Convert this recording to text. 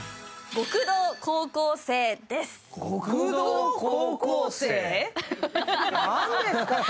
「極道高校生」です。